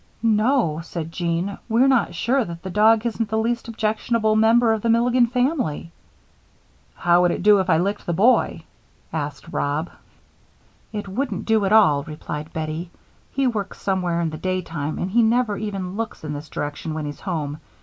"No," said Jean, "we're not sure that the dog isn't the least objectionable member of the Milligan family." "How would it do if I licked the boy?" asked Rob. "It wouldn't do at all," replied Bettie. "He works somewhere in the daytime and never even looks in this direction when he's home.